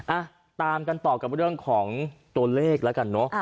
อ่ะตามกันต่อกับเรื่องของตัวเลขแล้วกันเนอะ